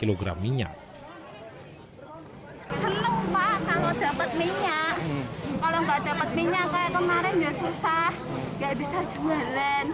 kalau nggak dapat minyak kayak kemarin ya susah nggak bisa jualan